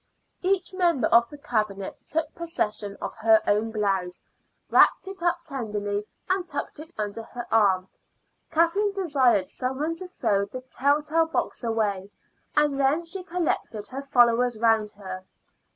Each member of the Cabinet took possession of her own blouse, wrapped it up tenderly, and tucked it under her arm. Kathleen desired some one to throw the tell tale box away, and then she collected her followers round her.